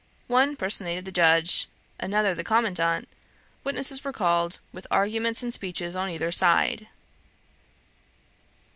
One personated the judge, another the commandant; witnesses were called, with arguments and speeches on either side.